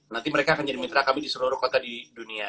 nanti mereka akan jadi mitra kami di seluruh kota di dunia